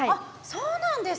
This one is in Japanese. そうなんです。